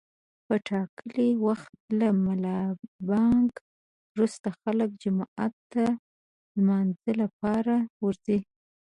په ټاکلي وخت له ملابانګ روسته خلک جومات ته د لمانځه لپاره ورځي.